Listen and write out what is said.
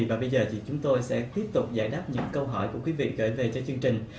và bây giờ thì chúng tôi sẽ tiếp tục giải đáp những câu hỏi của quý vị kể về cho chương trình